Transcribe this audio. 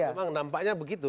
memang nampaknya begitu